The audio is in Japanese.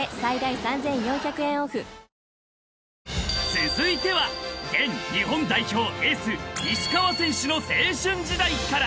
［続いては現日本代表エース石川選手の青春時代から］